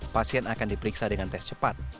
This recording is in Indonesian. pasien akan diperiksa dengan tes cepat